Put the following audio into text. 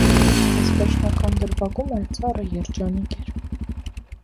Այս վերջնական դրվագում էլ՝ «ծառը երջանիկ էր»։